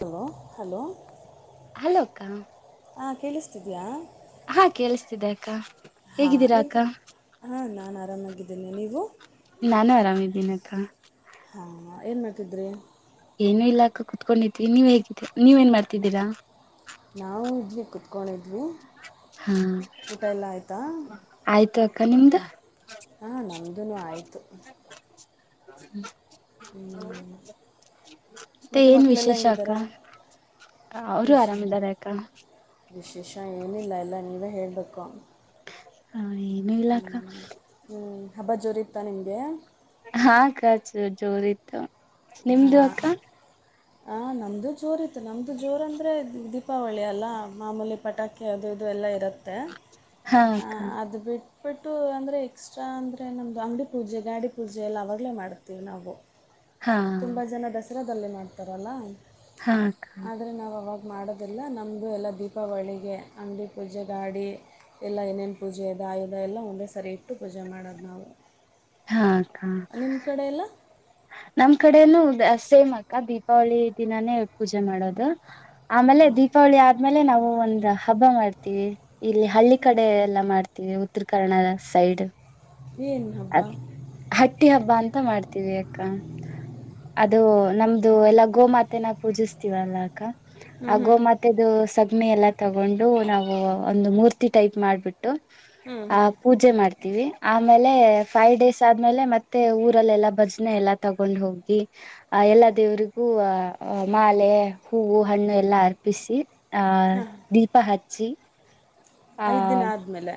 Hello hello ಹಲೋಕ ಹಾಂ ಕೇಳಿಸ್ತಿದಿಯಾ ಹಾ ಕೇಳಿಸ್ತಿದ್ದೆ ಅಕ್ಕ ಹಾಂ ಹೇಗಿದ್ದೀರಾ ಅಕ್ಕ ಏನು ಹಾಂ ನಾನು ಆರಾಮಾಗಿದ್ದೇನೆ ನೀವು ನಾನು ಆರಾಮಿದ್ದೀನಕ ಏನ್ ಮಾಡ್ತಿದ್ರಿ ಏನು ಇಲ್ಲಾಕ್ಕ ಕುೂತ್ಕೊಂಡಿದರಿ ನೀವ್ ಹೇಗ ನೀವ ಏನ್ ಮಾಡ್ತಿದ್ದೀರಾ ನಾವು ಇದ್ವಿ ಕುೂತ್ಕೊಂಡವಿ ಆದೂ ಹಾ ಊಟ ಎಲ್ಲ ಆಯಿತಾ ನಿಮ್ಧು ಹಾ ನಮ್ದನು ಆಯ್ತು ಹ್ಮ್ ಮತ್ತೆ ಮತ್ತು ಏನ್ ಮಕ್ಕಳೆಲ್ಲ ವಿಶೇಷ ಅಕ್ಕ ಹೆಂಗಿದ್ದಾರೆ ಅವರು ವಿಶ್ ಆರಾಮ್ದಿದ್ದಾರೆ ಅಕ್ಕ ವಿಶೇಷ ಏನಿಲ್ಲ ಎಲ್ಲ ನೀವೇ ಹೇಳಬೇಕು ಹಾ ಏನು ಇಲ್ಲಕ್ಕ ಹ್ಞೂ ಹಬ್ಬ ಜೋರಿತ್ತಾ ನಿಮಗೆ ಹಾ ಅಕ್ಕ ಜೋರಿತ್ತು ನಿಮ್ದ ಅಕ್ಕ ಹ ನಮ್ದು ಜೋರಿತ್ತು ನಮ್ದು ಜೋರ್ ಅಂದ್ರೆ ದೀಪಾವಳಿ ಅಲ್ಲ ಮಾಮೂಲಿ ಪಟಾಕಿ ಅದು ಇದು ಎಲ್ಲ ಇ ದತ್ತೆ ಹಾ ಅಕ್ಕ ಅದು ಬಿಟ್ಟು ಬಟ್ಟು ಅಂದರೆ ಎಕ್ಸ್ಟ್ರ ಅಂದರೆ ನಮ್ಮದು ಅಂಗಡಿ ಪೂಜೆ ಗಾಡಿ ಪೂಜೆ ಎಲ್ಲ ಅವಾಗಲೇ ಮಾಡ್ತೀವಿ ನಾವು ಹಾ ತುಂಬಾ ಜನ ದಸ ರದಲ್ಲೇ ಮಾಡ್ತಾರಲ್ಲ ಹಾ ಅಕ್ಕ ಆದರೆ ನಾವು ಅವಾಗ ಮಾಡೋದಿಲ್ಲ ನಮ್ಮದು ಎಲ್ಲ ದೀಪಾವಳಿಗೆ ಅಡಿ ಪೂಜೆ ಗಾಡಿ ಎಲ್ಲ ಏನೇನು ಪೂಜೆ ದಾಯಧ ಎಲ್ಲ ಒಂದೇ ಸರಿ ಇಟ್ಟು ಪೂಜೆ ಮಾಡೋದು ನಾವು ಹಾ ಅಕ್ಕ ನಿಮ್ಮ ಕಡೆ ಎಲ್ಲ ನಮ್ ಕಡೆನು ಸೇಮ್ ಅಕ್ಕ ದೀಪಾವಳಿ ದಿನಾನೇ ಪೂಜೆ ಮಾಡೋದು ಆಮೇಲೆ ದೀಪಾವಳಿ ಆದ ಆಮೇಲೆ ನಾವು ಒಂದು ಹಬ್ಬ ಮಾಡ್ತೀವಿ ಇಲ್ಲಿ ಹಳ್ಳಿ ಕಡೆ ಎಲ್ಲ ಮಾಡ್ತೀವಿ ಉತ್ತರ ಕರ್ನಾಟಕದ ಸೈಡ್ ಏನು ಹಬ್ಬ ಅದ ಹಟ್ಟಿ ಹಬ್ಬ ಅಂತ ಂತ ಮಾಡ್ತೀವಿ ಅಕ್ಕ ಅದು ನಮ್ದು ಎಲ್ಲಾ ಗೋಮಾತೆನ ಪೂಜಿಸ್ತೀವಲ್ಲ ಹ್ಞೂ ಹ್ಞೂ ಹಾಗಗೋ ಮತ್ತೆದು ಸಗಣಿ ಎಲ್ಲ ತಗೊಂಡು ನಾವು ಒಂದು ಮೂರ್ತಿ ಟೈಪ್ ಮಾಡ್ಬಿಟ್ಟು ಹ್ಞೂ ಆ ಹ್ಞೂ ಪೂಜೆ ಮಾಡ್ತೀವಿ ಆಮೇಲೆ ಫೈವ್ ಡೇಸ್ ಆದ್ಮೇಲೆ ಮತ್ತೆ ಊರಲ್ಲೆಲ್ಲ ಭಜನೆ ಎಲ್ಲಾ ತಗೊಂಡ್ ಹೋಗಿ ಅ ಎಲ್ಲಾ ದೇವರಿಗೂ ಮಾಲೆ ಹೂವು ಹಣ್ಣು ಎಲ್ಲಾ ಅರ್ಪಿಸಿ ಆ ಹಾಂ ದೀಪ ಹಚ್ಚಿ ಪಕ್ಷಿ ಐದು ದಿನ ಆದ್ಮೇಲೆ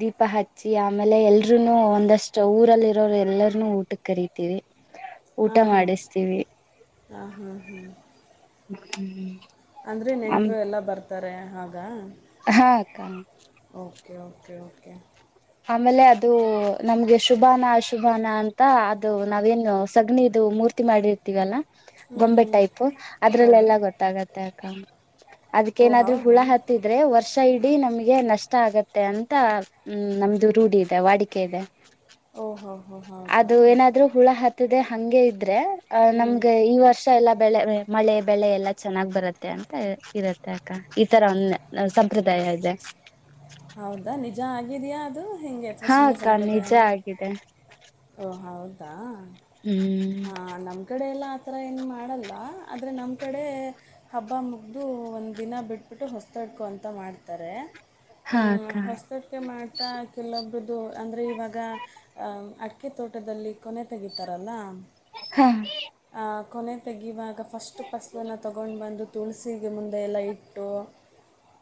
ದೀಪ ಹಚ್ಚಿ ಆಮೇಲೆ ಎಲ್ೂ ಒಂದಷ್ಟ ಊರಲ್ಲಿ ಇರೋರು ಎಲ್ಲರನುೂ ಊಟ ಕರಿತಿೀವಿ ಊಟ ಹಾಂ ಹಾಂ ಮಾಡಿಸ್ತೀವಿ ಹಾಂ ಹಾಂ ಅಂದ್ರೆ ನೆಂಟರು ಎಲ್ಲ ಬರ್ತಾರೆ ಸಾರೆ ಹಾಗ ಹಾಕ್ಕ ಓಕೆ ಓಕೆ ಓಕೆ ಆಮೇಲೆ ಅದು ನಮ್ಗೆ ಶುಭಾನ ಅಶುಭಾನ ಅಂತ ಅದು ನಾವೇನು ಸಗ್ನಿದು ಮೂರ್ತಿ ಮಾಡಿರ್ತೀವಲ್ಲ ಹ್ಞೂ ಗೊಂಬೆ ಹ್ಞೂ ಟೈಪ್ ಹೌದು ಅದ್ರಲ್ಲೆಲ್ಲ ಗೊತ್ತಾಗತ್ತೆ ಅಕ ಓ ಅದಕ್ಕೇನಾದ್ರೂ ಹುಳ ಹೌದಾ ಹತ್ತಿದ್ರೆ ವರ್ಷ ಸೈಡ್ ನಮ್ಗೆ ನಷ್ಟ ಆಗತ್ತೆ ಅಂತ ಹ್ಮ್ ನಮ್ದು ರೂಢಿ ಇದೆ ವಾಡಿಕೆ ಇದೆ ಓ ಹೋ ಹೋ ಹೌದಾ ಅದು ಏನಾದ್ರು ಹುಳ ಹಾತ್ತದೆ ಹಗೆ ಇದ್ರೆ ಆ ಹ್ಞೂ ನಮ್ಗೆ ಈ ವರ್ಷ ಎಲ್ಲ ಬೆಳೆ ಮಳೆ ಬೆಳೆ ಎಲ್ಲಾ ಚೆನ್ನಾಗ್ ಬರುತ್ತೆ ಅಂತ ಇರುತ್ತೆ ಅಕ್ಕ ಈ ತರ ಒಂದ ಸಂಪ್ರದಾಯ ಇದೆ ಹೌದಾ ನಿಜ ಆಗಿದಯಾ ಅದು ಹಿಗೆ ಹತ್ರ ಹಾ ಸುಮ್ಮನೆ ಅಕ್ಕ ಸಂಪ್ರದಾಯ ನಿಜ ಆಗಿದೆ ಓಹ ಹೌದಾ ಹ್ಮ್ ಹ ನಮ್ಮ ಕಡೆ ಎಲ್ಲ ಆ ಥರ ಏನು ಮಾಡಲ್ಲ ಆದರೆ ನಮ್ಮ ಕಡೆ ಹಬ್ಬ ಮುಗಿದು ಒಂದು ದಿನ ಬಿಟ್ಬಿಟ್ಟು ಹೊಸತಡ್ಕೊ ಅಂತ ಮಾಡ್ತಾರೆ ಹಾ ಅಕ್ಕ ಹೊಸಟಿಕೆ ಮಾಡ್ತಾ ಕೆಲೊಬ್ಬರು ಸೊ ಅಂದರೆ ಇವಾಗ ಅಡಿಕೆ ತೋಟದಲ್ಲಿ ಕೊನೆ ತೆಗಿತಾರಲ್ಲ ಹಾ ಆ ಕೊನೆ ತೆಗಯುವಾಗ ಫಸ್ಟು ಫಸಲನ್ನು ತೊಗೊಂಡು ಬಂದು ತುಳಸಿಗೆ ಮುಂದೆ ಎಲ್ಲ ಇಟ್ಟು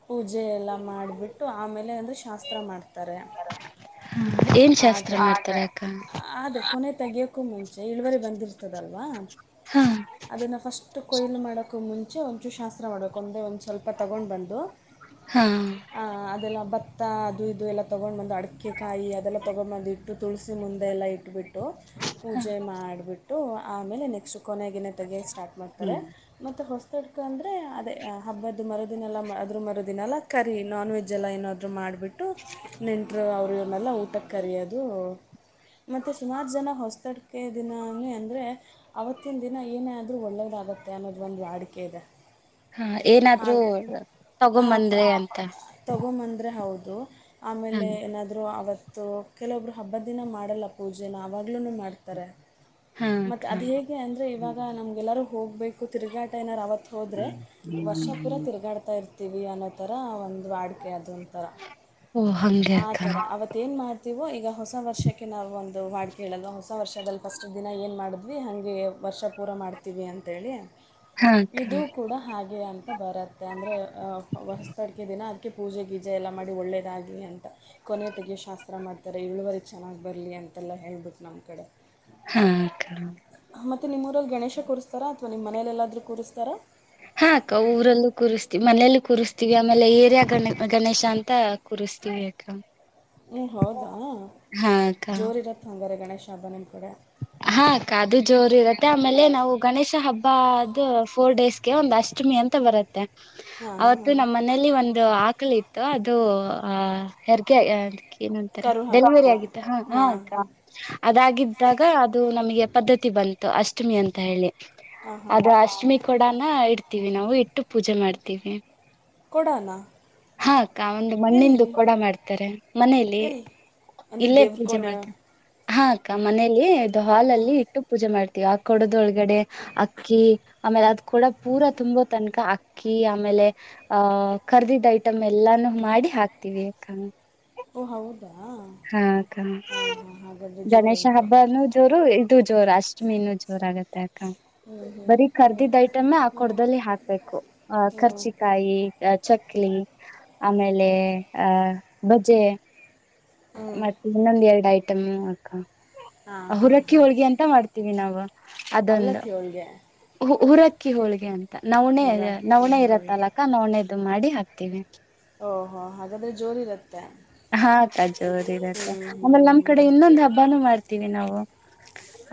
ಪೂಜೆ ಎಲ್ಲ ಮಾಡ ಆಮೇಲೆ ಅಂದರೆ ಶಾಸ್ತ್ರ ಮಾಡ್ತಾರೆ ಏನ್ ಆ ಶಾಸ್ತ್ರ ಟೈಮ್ ಮಾಡ್ತಾರೆ ಅಕ್ಕ ಅದೇ ಕೊನೆ ತೆಗಯೋಕ್ಕೂ ಮುಂಚೆ ಇಳುವರಿ ಬಂದಿರ್ತದಲ್ವಾ ಹಾ ಅದನ್ನು ಫಸ್ಟ್ ಕೊಯ್ಲು ಮಾಡೋಕ್ಕೂ ಮುಂಚೆ ಮುಂಚೆ ಒಂಚೂ ಶಾಸ್ತ್ರ ಮಾಡಬೇಕಕ್ ಒಂದೇ ಒಂದು ಸ್ವಲ್ಪ ತಗೊಂಡು ಬಂದು ಹಾ ಆ ಅದೆಲ್ಲ ಭತ್ತ ಅದು ಇದು ಎಲ್ಲ ತಗೊಂಡ್ ಬಂದ [unintelligible] ಅಡಿಕೆಕಾಯಿ ಅದೆಲ್ಲ ತೊಗೊಂಬಂದಿದ್ದು ಇಟ್ಟು ತುಳಸಿ ಮುಂದೆ ಎಲ್ಲ ಇಟ್ಬಿಟ್ಟು [unintelligible] ಪೂಜೆ ಮಾಡಬಿಟ್ಟು ಆಮೇಲೆ ನೆಕ್ಸ್ಟ್ ಕೊನೆಗೆನೆ ತೆಗೆಯಕ್ ಸ್ಟಾರ್ಟ್ ಮಾಡ್ತಾರೆ ಮತ್ತು ಹೊಸದಡ್ಕ ಅಂದ್ರೆ ಅದೇ ಹಬ್ಬದು ಮರುದಿನಲ್ಲ, ಅದ್ರ ಮರುದಿನಲ್ಲ ಕರಿ ನಾನ್ ವೆಜೆಲ್ಲಾ ಏನಾದರೂ ಮಾಡಿಬಿಟ್ಟು ನೆಂಟ್ರು ಅವ್ರ ಇವರ್ನೆಲ್ಲಾ ಊಟಕ್ಕೆ ಕರಯೋದು ಮತ್ತು ಸುಮಾರು ಜನ ಹೊಸ್ದಡ್ ಅಕ್ಕೆ ದಿನ ಅಂದರೆ ಆವತ್ತಿನ ದಿನ ಏನೇ ಆದರೂ ಒಳ್ಳೆಯದಾಗುತ್ತೆ ಅನ್ನೋದ್ ಒಂದು ವಾಡಿಕೆ ಇದೆ, ಹಾ ಏನಾದ್ರೂ ಹಾಗೆ ಆಫ ತಗೊಂಬಂದ್ರೆ ಅಂತ ತಗೊಂಬಂದ್ರೆ ಹೌದು. ದ [unintelligible] ಹ ಆಮೇಲೆ ಏನಾದರೂ ಆವತ್ [unintelligible] [unintelligible] ಕೆಲವೊಬ್ರು ಹಬ್ಬದ ದಿನ ಮಾಡಲ್ಲ ಪೂಜೆನ ಇಲ್ಲೂನೂ ಮಾಡ್ತಾರೆ. ಹಾ ಮತ್ ಅಕ್ಕ ಅದು ಹೇಗೆ ಅಂದ್ರೆ ಈವಾಗ ನಮಗೆಲ್ಲಾರೂ ಹೋಗ್ಬೇಕು ತಿರ್ಗಾಟ ಏನಾದ್ರೂ ಆವತ್ ಹೋದ್ರೆ ವರ್ಷ ಪೂರಾ ತಿರಗಾಡತ್ತಾ ಯನ್ನತ [unintelligible] [unintelligible] ಒಂದು ವಾಡಿಕೆ ಅದು ಒಂಥರ. ಓ ಹಂಗೆ ಆ ಅಕ್ಕ ತರ ಅವತ್ ಏನ್ ಮಾಡ್ತೀವೋ ಈಗ ಹೊಸ ವರ್ಷಕ್ಕೆ ನಾವು ಒಂದು ಅದು ಹಾಡ್ ಕೇಳಲ್ವ ಹೊಸ ವರ್ಷದಲ್ಲಿ ಫಸ್ಟ್ ದಿನ ಏನು ಮಾಡಿದ್ವಿ ಹಂಗೆ ವರ್ಷ ಪೂರ ಮಾಡ್ತೀವಿ ಅಂತೇಳಿ ಹಾ ಅಕ್ಕ ಇದು ಕೂಡ ಹಾಗೆ ಅಂತ ಬರುತ್ತೆ ಅಂದರೆ, ಅ ವಸ್ತ [unintelligible] ಕರ್ಕೆ [unintelligible] ದಿನ ಅದಕ್ಕೆ ಪೂಜೆ ಗೀಜೆ ಎಲ್ಲ ಮಾಡಿ ಒಳ್ಳೇದಾಗ್ಲಿ ಅಂತ ಕೊನೆ ತೆಗೆಯೋ ಶಾಸ್ತ್ರ ಮಾಡ್ತಾರೆ ಇಳುವರಿ ಚೆನ್ನಾಗ್ ಬರಲಿ ಅಂತೆಲ್ಲ ಹೇಳ್ಬಿಟ್ಟು ನಮ್ಮ ಕಡೆ. ಹಾ ಅಕ್ಕ ಅ ಮತ್ತೆ ನಿಮ್ಮೂರಲ್ಲಿ ಗಣೇಶ ಕೂರಸ್ತರಾ ಅತ್ [unintelligible] ನಿಮ್ ಮನೇಲ್ ಎಲ್ಲಾದರೂ ಕೂರಸ್ತಾರ? ಹಾ ಅಕ್ಕ, ಊರಲ್ಲೂ ಕೂರಿಸ್ತಿವಿ ಮನೆಲ್ಲಿ ಕೂರಿಸ್ತಿವಿ, ಆಮೇಲೆ ಏರಿಯ ಗಣ ಗಣೇಶ ಅಂತ ಕೂರಿಸ್ತಿವಿ ಅಕ್ಕ. ಹ್ಮ್, ಹೌದಾ? ಹಾ ಅಕ್ಕ ಜೋರ್ ಇರತ್ತ ಹಂಗಾರೆ ಗಣೇಶ್ [unintelligible] ಕೊಡ [unintelligible] ಹಾ ಅಕ್ಕ, ಅದು ಜೋರ್ ಇರತ್ತೆ. ಆಮೇಲೆ ನಾವು ಗಣೇಶ ಹಬ್ಬ ಆದ ಫೋರ್ ಡೇಸ್ಗೆ ಒಂದ್ ಅಷ್ಟಮಿ ಅಂತ ಬರುತ್ತೆ ಅವತ್ತು ಹಾಂ ನಮ್ಮ್ ಮನೇಲಿ ಒಂದು ಆ ಮಕ್ಕಳ ಇತ್ತು ಅದು ಆಹ ಹೆರ್ಗೆ [unintelligible] [unintelligible] ಏನ್ಂತಾರೆ? ಕರು ಡೆಲಿವರಿ ಹಾಕಿತು ಆಗಿತ್ತ? ಹ ಹ ಹಾಂ ಅಕ್ಕ ಹಾಂ ಅದಾಗಿದ್ದಾಗ [unintelligible] ಆಗ ಅದು ನಮಗೆ ಪದ್ಧತಿ ಬಂತ [unintelligible] ಅಷ್ಟಮಿ ಅಂತ ಹೇಳಿ. ಹಾಂ ಹಾಂ ಅದು ಅಷ್ಟ್ಮಿ ಕೂಡಾನ ಇಡ್ತ [unintelligible] ವಿ ನಾವು ಇಟ್ಟು ಪೂಜೆ ಮಾಡ್ತೀವಿ. ಕೊಡಾನಾ ಹಾ ಅಕ್ಕ ಒಂದು ಮಣ್ಣಿಂದು ಕೂಡ ಮಾಡ್ತಾರೆ ಮನೇಲಿ ಎಲ್ಲಿ ಅಂದರೆ ಇಲ್ಲೇ ದೇವ್ರ ಪೂಜೆ ಕೋಣೆ ಮಾಡ್ತೇವಿ. ಹಾ ಅಕ್ಕ ಮನೇಲಿ ಹಾಲ್ ಹಾಂ ಅಲ್ಲಿ ಇಟ್ಟು ಪೂಜೆ ಮಾಡ್ರೆ ಕೊಡದೊಳಗಡೆ ಅಕ್ಕಿ, ಆಮೇಲೆ ಅದು ಕೂಡ ಪೂರ ತುಂಬೋ ತನಕ ಅಕ್ಕಿ, ಆಮೇಲೆ ಆಹ್ ಕರ್ದಿದ್ದೈತಿ. ಮ್ ಎಲ್ಲಾನು ಮಾಡಿ ಹಾಕ್ತಿವಿ. ಓ ಹ ಹಾ ಕ ಹಾಗಾದರೆ ಗಣೇಶ ಜೋರುಂಟು ಹಬ್ಬಾನೂ ಜೋರು ಇದು. ಜೋರ್ ಅಷ್ಟು ಮೀನು ಜೋರ ಆಗತ್ತೆ ಹ್ಞೂ ಹ್ಞೂ ಬರೀ ಹ್ಞೂ ಕರ್ದಿದ್ದ ಐಟಮ ಆ ಹ್ಞೂ ಕೊಡದಲ್ಲಿ ಹಾಕ್ಬೇಕು, ಆ ಹ್ಞೂ ಖರ್ಚಿಕಾಯಿ, ಚ ಹಕ್ಲಿ ಆಮೇಲೆ ಆಹ ಬಜೆ ಹ್ಞೂ ಮತ್ತೆ ಇನ್ನೊಂದ್ ಎರಡು ಆಯ್ತು. ತ್ತಮ್ಮ ಅಕ್ಕ ಹಾಂ ಹಾಂ ಹುರಕ್ಕಿ ಹಾಂ ಹೋಳ್ಗೆ ಅಂತ ಮಾಡ್ತೀವಿ ನಾವು. ಅದೊಂದು ಅವಲಕ್ಕಿ ಹೋಳಿಗೆ ಹುರ ಹೊಳ್ಗಿ ಹುರಕ್ಕಿ ನವ್ಣೆ ಇರತ್ತ ಹೋಳಿಗೆ ಅಲ್ಲಕ್ಕ ನವಣೆ. ಅದು ಮಾಡಿ ಹಾಕ್ತೀವಿ. ಓಹೋ ಹಾಗಾದ್ರೆ ಜೋರ್ ಇರುತ್ತೆ. ಹಾತ ಜೋರ ಇದೆತ ಹ್ಞೂ ಹ್ಞೂ ಆಮೇಲೆ ನಮ್ ಕಡೆ ಹ್ಞೂ ಇನ್ನೊಂದ್ ಹಬ್ಬಾನೂ ಮಾಡ್ತ. ವಿ ನಾವು.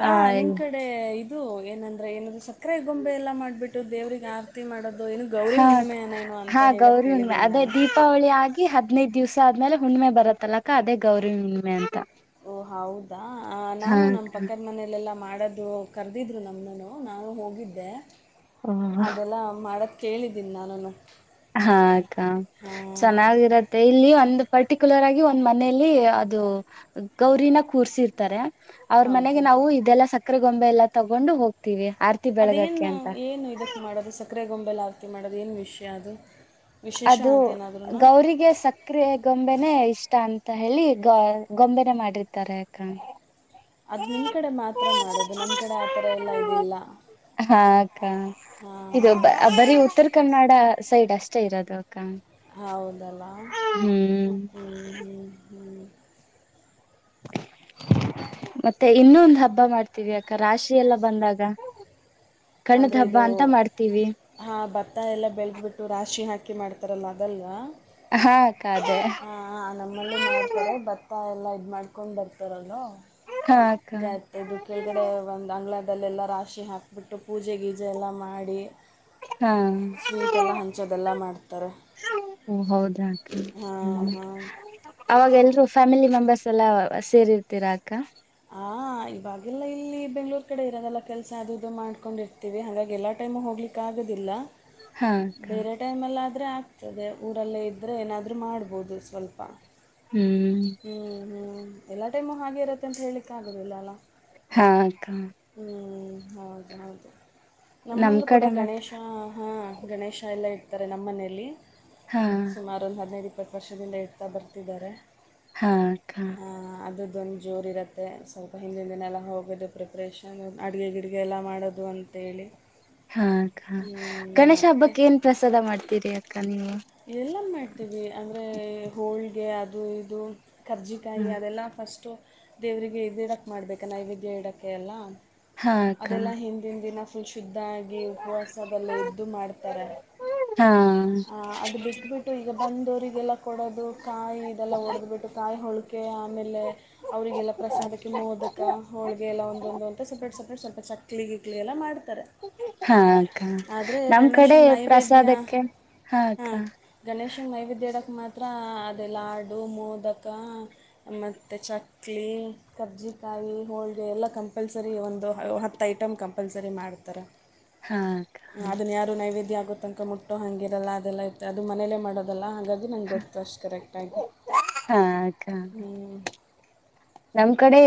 ಹ ಆ ನಿಮ್ ಕಡೆ ಇದ ಇದು ಏನಂದ್ರೆ, ಏನಾದ್ ಸಕ್ಕರೆ ಗೊಂಬೆ ಎಲ್ಲ ಮಾಡ್ಬಿಟ್ಟು ಇಟ್ಟು ದೇವ್ರರಿಗೆ ಆರತಿ ಮಾಡೋದದು ಏನು ಗೌರಿ ಹಾ ಹುಣ್ಣಿಮೆನೇಏನೋ ಅಂತ ಹೇಳಕ್ ಕೇಳಿದ್ದೀನಿ ನಾನು. ಹದ್ನೈದ ದಿವ್ಸ ಆದ್ಮೇಲೆ ಹುಣ್ಣ್ಮೆ ಬರತ್ತಲ್ಲಕ್ಕಾ ಅದೇ ಗೌರಿ ಹುಣ್ಣ ಅಂತ. ಓ ಹೌದಾ ಹಾ ನಾನು ನಮ್ಮ್ ಅಕ್ಕ ಪಕ್ಕದ ಮನೇಲೆಲ್ಲಾ. ಮಾಡೋದು ಕರೆದಿದ್ರು ನಮ್ಮ ನಾನು ಹೋಗಿದ್ದೆ. ಅದೆಲ್ಲ ಮಾಡ ಕೇಳಿದ್ದೀನಿ ನಾನು. ಹಾಕ್ಕ ಚೆನ್ನಾಗಿರತ್ತೆ ಇಲ್ಲಿ ಒಂದು. ಪರ್ಟಿಕ್ಯುಲರ್ ಆಗಿ ಒಂದ್ ಮನೆಯಲ್ಲಿ ಅದು ಗೌರಿನ ಕೂರ್ಸಿರ್ತಾರೆ. ಅವ್ರ ಮನೆಗೆ ಹೌದಾ ನಾವು ಇದೆಲ್ಲ ಸಕ್ಕರೆ ಗೊಂಬೆ ಎಲ್ಲ ತಗೊಂಡು ಹೋಗ್ತೀವಿ. ಆರ್ತಿ ಬೆಳಗಕ್ಕೆ ಅದೇನು ಅಂತ ಏನು ಇದಕ್ ಮಾಡೋದು ಸಕ್ಕರೆ ಗೊಂಬೆಲ ಆತಿ ಮಾಡೋದು. ಅದೇನು ವಿಷಯ ಅದು. ವಿಶೇಷ ಅದು ಅಂತೇನಾದ್ರೂ ಗೌರಿಗೆ ಸಕ್ಕರೆ ಗೊಂಬೆನೆ ಇಷ್ಟ ಅಷ್ಟ ಅಂತ ಹೇಳಿ ಗೊಂಬೆನೆ ಮಾಡಿರ್ತಾರೆ ಅಕ್ಕ ಅದು ನಿಮ್ಮ ಕಡೆ ಮಾತ್ರ ಮಾಡೋದು ನಮ್ಮ ಕಡೆ ಆತರ ಎಲ್ಲಾ ಇದಿಲ್ಲ ಹಾ ಅಕ್ಕ ಹಾ ಇದು ಹೌದು ಬರೀ ಉತ್ತರ ಕನ್ನಡ ಸೈಡ್ ಅಷ್ಟೇ ಇರೋದು ಅಕ್ಕ ಹೌದಲ್ಲ ಹ್ಮ್ ಹ್ಮ್ ಹ್ಮ್ ಹ್ಮ್ ಮತ್ತೆ ಇನ್ನೊಂದ್ ಹಬ್ಬ ಮಾಡ್ತೀವಿ ಅಕ್ಕ ರಾಶಿ ಎಲ್ಲ ಬಂದಾಗ ಕಣ್ಣದ ಅಂದ್ರೆ ಹಬ್ಬ ಇದು ಅಂತ ಮಾಡ್ತೀವಿ ಹಾ ಭತ್ತ ಎಲ್ಲ ಬೆಳೆದಬಿಟ್ಟು ರಾಶಿ ಹಾಕಿ ಹಾಕಿ ಮಾಡ್ತಾರಲ್ಲ ಅದಲ್ವಾ ಹಾ ಅಕ್ಕ ಅದೇ ಹಾ ನಮ್ಮಲ್ಲೂ ಮಾಡ್ತಾರೆ ಭತ್ತ ಎಲ್ಲ ಇದು ಮಾಡ್ಕೊಂಡು ಬರ್ತಾರಲ್ಲ ಹಾ ಅಕ್ಕ ಕೆಳಗಡೆ ಒಂದು ಆಂಗ್ಲ ಅದಲ್ಲೆಲ್ಲ ರಾಶಿ ಹಾಕಿಬಿಟ್ಟು ಪೂಜೆ ಗೀಜೆ ಎಲ್ಲ ಮಾಡಿ ಹಾ ಸ್ವೀಟೆಲ್ಲ ಹಂಚೋದೆಲ್ಲ ಮಾಡ್ತಾರೆ ಹೌದ ಅಕ್ಕ ಹಾಂ ಹ್ಮ್ ಹಾಂ ಅವಾಗ ಎಲ್ಲ ಫ್ಯಾಮಿಲಿ ಮೆಂಬರ್ಸ್ ಎಲ್ಲಾ ಸೇರಿರ್ತೀರಾ ಅಕ್ಕ ಆ ಇವಾಗೆಲ್ಲ ಇಲ್ಲಿ ಬೆಂಗ್ಳೂರು ಕಡೆ ಇರೋದಲ್ಲ ಕೆಲಸ ಅದು ಇದು ಮಾಡ್ಕೊಂಡಿರ್ತೀವಿ ಹಾಗಾಗಿ ಎಲ್ಲ ಟೈಮ್ ಹೋಗ್ಲಿಕ್ಕೆ ಆಗೋದಿಲ್ಲ ಹಾ ಅಕ್ಕ ಬೇರೆ ಟೈಮಲ್ಲಿ ಆದ್ರರೆ ಆ ಮತ್ತದೇ ಊರಲ್ಲೇ ಇದ್ದರೆ ಏನಾದರೂ ಮಾಡ್ಬೋದು ಸ್ವಲ್ಪ ಹ್ಮ್ ಹ್ಮ್ ಹ್ಮ್ ಎಲ್ಲ ಟೈಮು ಹಾಗೆ ಇರುತ್ತೆ ಅಂತ ಹೇಳಲಿಕ್ಕ ಆಗೋದಿಲ್ಲ ಅಲ್ಲ ಹಾ ಅಕ್ಕ ಹ್ಞೂ ಹೌದು ಹೌದು ನಮ್ ನಮ್ಮಲ್ಲೂ ಕೂಡ ಕಡೆ ಮಾತ್ರ ಗಣೇಶ ಹ ಗಣೇಶ ಎಲ್ಲ ಇಟ್ಟು ನಮ್ಮ ಮನೆಯಲ್ಲಿ ಹಾ ಸುಮಾರು ಒಂದು ಹಾದಿನೈದು ಇಪತ್ತು ಇಪ್ಪತ್ತು ವರ್ಷದಿಂದ ಇಡ್ತಾ ಬರ್ತಿದ್ದಾರೆ ಹಾ ಅಕ್ಕ ಅದೊಂದು ಜೋರುರುತ್ತೆ ಸ್ವಲ್ಪ ಹಿಂದಿನಿಂದಿನೆಲ್ಲ ಹೋಗೋದು ಪ್ರಿಪ್ರೇಷನ್ ಅಡುಗೆ ಗಿಡಗೆ ಎಲ್ಲ ಮಾಡೋದು ಅಂಂತೇಳಿ ಹಾ ಅಕ್ಕ ಗಣೇಶ ಮತ್ತು ಹಬ್ಬಕ್ಕೆ ಏನ್ ಪ್ರಸಾದ ಮಾಡ್ತೀರಿ ಅಕ್ಕ ನೀವು ಎಲ್ಲ ಮಾಡ್ತೀವಿ ಅಂದ್ರೆ ಹೋಳಿಗೆ ಅ ಅದು ಇದು ಕರ್ಜಿಕಾಯಿ ಅದೆಲ್ಲ ಫಸ್ಟು ದೇವ್ರರಿಗೆ ಇ್ದಡಾಕ್ ಮಾಡ್ಬೇಕಾ ನೈವೇದ್ಯ ಇಡಕ್ಕೆ ಎಲ್ಲಾ ಹಾ ಅಕ್ಕ ಅದೆಲ್ಲ ಹಿಂದಿನ ದಿನ ಫುಲ್ ಶುದ್ಧ ಆಗಿ ಉಪವಾಸ ಎಲ್ಲ ಅದು ಮಾಡ್ತಾರೆ ಹಾ ಅದು ಬಿಟ್ಟುಬಿಟ್ಟು ಈಗ ಬಂದವರಿಗೆಲ್ಲ ಕೊಡೋದು ಕಾಯಿ ಇದೆಲ್ಲ ಒಡೆ್ದ್ಬಿಟ್ಟು ಕಾಯಿ ಹೋಳಿಗೆ ಆಮೇಲೆ ಅವರಿಗೆಲ್ಲ ಪ್ರಸಾದಕ್ಕೆ ಮೋದಕ ಹೋಳಿಗೆ ಎಲ್ಲ ಒಂದೊಂದು ಅಂತ ಸಪ್ರೇಟ್ ಸಪ್ರೇಟ್ ಸ್ವಲ್ಪ ಚಕ್ ಇಡ್ಲಿ ಗಿಡಲಿ ಎಲ್ಲ ಮಾಡ್ತಾರೆ ಹಾ ಆದರೆ ನಮ್ ಕಡೆ ಪ್ರಸಾದಕ್ಕೆ ಹ ಹ್ಮ್ ಗಣೇಶನ ನೈವಿದ್ಯಾ ಇಡಕ್ಕೆ ಮಾತ್ರ ಹತ್ರ ಅದೇ ಲಾಡು ಮೋದಕ ಮತ್ತು ಚಕ್ಲಿ ಕರ್ಜಿಕಾಯಿ ಹೋಳಿಗೆ ಎಲ್ಲ ಕಂಪಲ್ಸರಿ ಒಂದು ಹತ್ತು ಐಟಮ್ ಕಂಪಲ್ಸರಿ ಮಾಡ್ತಾರೆ. ಹಾ ಅಕ್ಕ ಅದನ್ ಯಾರು ನೈವೇದ್ಯ. ಆಗೊತ ನಕ ಮುಟ್ಟ ಹಂಗಿರಲ್ಲ ಅದೆಲ್ಲ. ಮತ್ತ ಅದು ಮನೇಲ್ಲೇ ಮಾಡೋದಲ್ಲಾ. ಹಂಗಾಗಿ ನಂಗ್ ಗೊತ್ತು ಅಷ್ಟು ಕರೆಕ್ಟಾಗಿ ಹಾ ಅಕ್ಕ ಹ್ಞ. ನಮ್ ಕಡೆ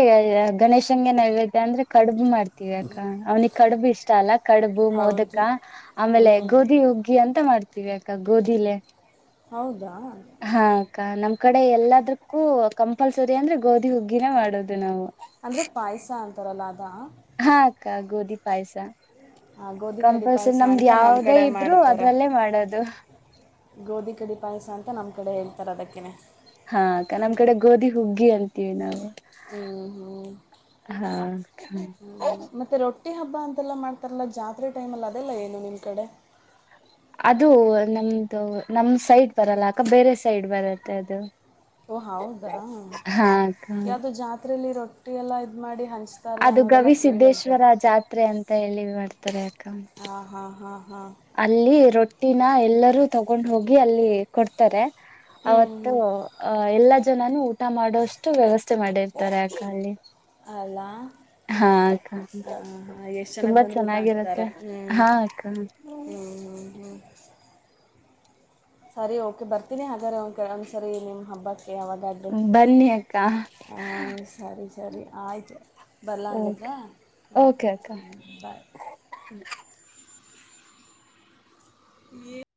ಗಣೇಶಂಗೆ ನಾವತೆೆ ಅಂದ್ರೆ ಕಡುಬು ಮಾಡ್ತ. ್ಯಾಕ ಅವ್ನಿಗೆ ಕಡುಬು ಇಷ್ಟ ಅಲ್ಲ ಕಡುಬು ಮೋದಕ ಹೌದು ಹ್ಞೂ ಆಮೇಲೆ ಗೋಧಿ ಹುಗ್ಗಿ ಅಂತ ಮಾಡ್ತ. ವ್ಯಾಕ ಗೋಧಿ ಲೆ. ಹೌದು. ಹೌದಾ ನಮ್ ಕಡೆ ಎಲ್ಲದಕ್ಕೂ ಕಂಪಲ್ಸರಿ ಅಂದ್ರೆ ಗೋಧಿ ಹುಗ್ಗಿನೇ ಮಾಡೋದು ನಾವು. ಅಂದ್ರೆ ಪಾಯಸ ಅಂತಾರಲ್ಲ ಅದ. ಅದ ಕಂಪಲ್ಸರಿ ನಮ್ದು ಅಂತ ನಮ್ಮ ಯಾವದೇ ಕಡೆ ಇದ್ರು ಮಾಡ್ತಾರೆ ಅದ್ರಲ್ಲೇ ಮಾಡೋದು. ಗೋಧಿ ಕಡಿ ಪಾಯಸ ಅಂತ ನಮ್ಮ ಕಡೆ ಹೇಳ್ತಾರೆ ಅದಕ್ಕೇ. ಹಾ ಅಕ್ಕ ನಮ್ ಕಡೆ ಗೋಧಿ ಹುಗ್ಗಿ ಅಂತೀವಿ ನಾವು. ಹ್ಮ್ ಹ್ಮ್ ಹಾ ಹ್ಮ್ ಮತ್ತೆ ರೊ ರೊಟ್ಟಿ ಹಬ್ಬ ಅಂತೆಲ್ಲ ಮಾಡ್ತಾರಲ್ಲ ಜಾತ್ರೆ ಟೈಮಲ್ಲಿ ಅದೇಲ್ಲ ಏನು ನಿಮ್ಮ ಕಡೆ. ಅದು ನಮ್ದು ನಮ ಸೈಡ್ ಬರಲ್ಲ ಅಕ ಬೇರೆ ಸೈಡ್ ಬರತ್ತೆ ಅದು. ಓ ಹೌದಾ ಹಾ ಅಕ್ಕ ಯಾವ್ದೋ ಜಾತ್ರೆಯಲ್ಲಿರೋ. ರೊಟ್ಟಿ ಎಲ್ಲ ಇದ್ ಮಾಡಿ ಹಂಚ್. ಅದು ಗವಿಸಿದ್ದೇಶ್ವರ ಜಾತ್ರೆ ಅಂತ ಹೇಳಿ ಮಾಡ್ತಾರೆ ಅಕ್ಕ. ಹಾಂ ಹಾಂ ಹಾಂ ಹಾಂ ಅಲ್ಲಿ ರೊಟ್ಟಿ. ರೊಟ್ಟಿನ ಎಲ್ಲರೂ ತಗೊಂಡ್ ಹೋಗಿ ಅಲ್ಲಿ ಕೊಡ್ತಾರೆ. ಹ್ಞೂ ಅವತ್ತು ಹ್ಞೂ ಅ ಎಲ್ಲ. ಜನನು ಊಟ ಮಾಡೋಷ್ಟು ವ್ಯವಸ್ಥೆ ಮಾಡಿರ್ತಾರೆ ಯಾಕ ಅಲ್ಲಿ. ಅಲ್ಲ ಹಾ ಅಕ್ಕ ಹ ಹಾ ಎಷ್ಟು ಜನಕ್ ತುಂಬಾ ಬಂದರೂ ಊಟ ಹಾಕ್ತಾರೆ ಚೆನ್ನಾಗಿರತ್ತೆ ಹ್ಞ. ಹಾ ಅಕ್ಕ ಹ್ಮ್ ಹ್ಮ ಹ್ಮ್. ಸರಿ ಓಕೆ ಬರ್ತೀನಿ ಹಾಗಾದಾರೆೆ ಅವ ಒಂದ್ ಸರಿ ನಿಮ್ಮ್ ಹಬ್ಬಕ್ಕೆ. ಯಾವಾಗಾದ್ರು ಬನ್ನಿ ಅಕ್ಕ ಹಾ ಸರಿ. ಸರಿ ಆಯ್ತು. ಓಕೆ ಬರ್ಲಂಗಿದ್ರೆ ಹಾ ಓಕೆ ಅಕ್ಕ ಬಾಯ್. ಈ.